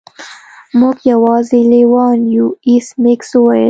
موږ یوازې لیوان یو ایس میکس وویل